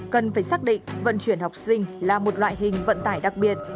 cần phải xác định vận chuyển học sinh là một loại hình vận tải đặc biệt